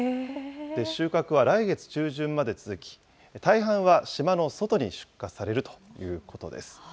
収穫は来月中旬まで続き、大半は島の外に出荷されるということです。